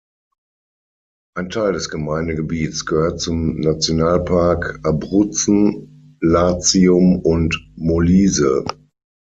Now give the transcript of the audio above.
Ein Teil des Gemeindegebiets gehört zum Nationalpark Abruzzen, Latium und Molise.